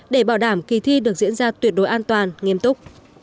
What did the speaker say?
để bảo đảm kỳ thi được diễn ra tuyệt đối an toàn nghiêm túc